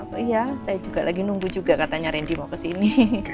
saya juga lagi nunggu juga katanya rendy mau ke sini